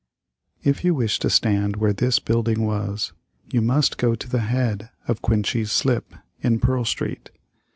If you wish to stand where this building was, you must go to the head of Coenties Slip, in Pearl Street.